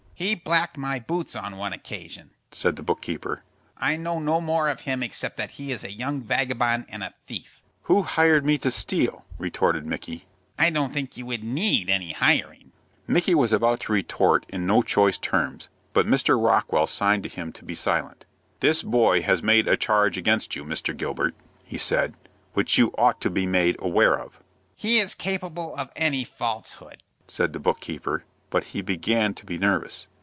"He blacked my boots on one occasion," said the book keeper; "I know no more of him except that he is a young vagabond and a thief." "Who hired me to steal?" retorted Micky. "I don't think you would need any hiring," said Gilbert, with a sneer. Micky was about to retort in no choice terms, but Mr. Rockwell signed to him to be silent. "This boy has made a charge against you, Mr. Gilbert," he said, "which you ought to be made aware of." "He is capable of any falsehood," said the book keeper; but he began to be nervous.